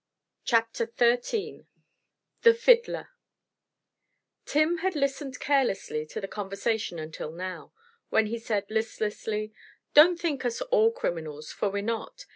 CHAPTER XIII THE FIDDLER Tim had listened carelessly to the conversation until now, when he said listlessly: "Don't think us all criminals, for we're not.